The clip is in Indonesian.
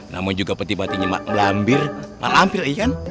namun juga peti petinya mak blambir mak lampir iya kan